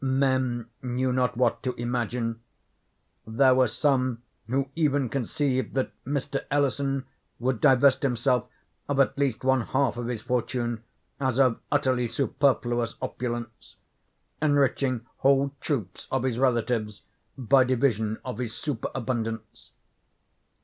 Men knew not what to imagine. There were some who even conceived that Mr. Ellison would divest himself of at least one half of his fortune, as of utterly superfluous opulence—enriching whole troops of his relatives by division of his superabundance.